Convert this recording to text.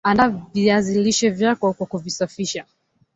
Andaa viazi lishe vyako kwa kuvisafisha